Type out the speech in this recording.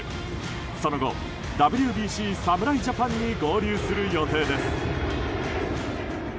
その後、ＷＢＣ侍ジャパンに合流する予定です。